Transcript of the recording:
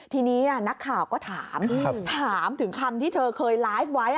ทีนี้นักข่าวก็ถามถามถึงคำที่เธอเคยไลฟ์ไว้